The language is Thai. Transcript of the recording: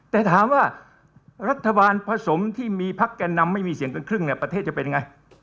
แต่ถามว่ารัฐบาลผสมที่มีพักแก่นำไม่มีเสียงเกินครึ่งเนี่ยประเทศจะเป็นไง